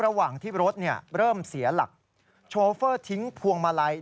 ระหว่างที่รถเนี่ยเริ่มเสียหลักทิ้งพวงมาลัย